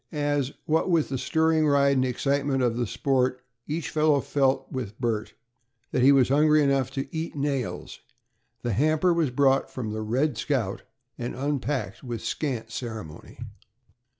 As, what with the stirring ride and the excitement of the sport, each fellow felt, with Bert, that he was hungry enough to "eat nails," the hamper was brought from the "Red Scout" and unpacked with scant ceremony.